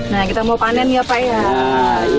nah kita mau panen ya pak ya